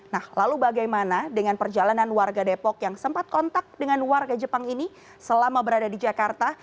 nah lalu bagaimana dengan perjalanan warga depok yang sempat kontak dengan warga jepang ini selama berada di jakarta